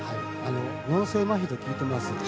脳性まひと聞いています。